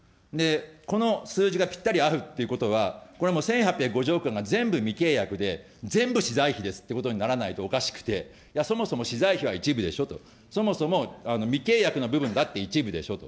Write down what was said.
この数字がぴったり合うっていうことは、これは１８５０億円が全部未契約で、全部資材費ですっていうことにならないとおかしくて、そもそも資材費は一部でしょと、そもそも未契約の部分だって一部でしょと。